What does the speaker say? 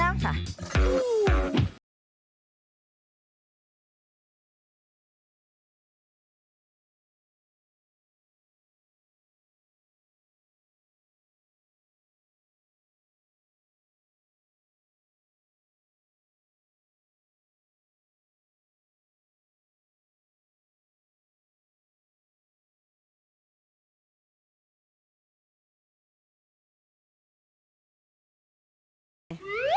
น้องต่อไป